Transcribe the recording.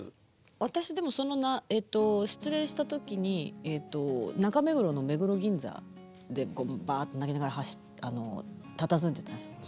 私でもその失恋した時にえっと中目黒の目黒銀座でバーッて泣きながらたたずんでたんですよ。